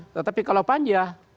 tetapi kalau panjang